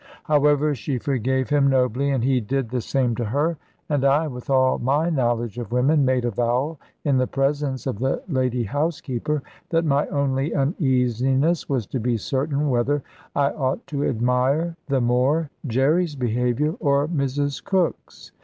However, she forgave him nobly, and he did the same to her; and I, with all my knowledge of women, made avowal in the presence of the lady housekeeper, that my only uneasiness was to be certain whether I ought to admire the more Jerry's behaviour or Mrs Cook's.